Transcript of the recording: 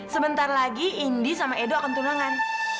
sebentar lagi indi sama edo akan tunangan